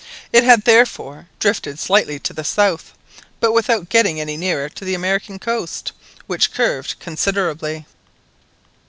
It had, therefore, drifted slightly to the south, but without getting any nearer to the American coast, which curved considerably.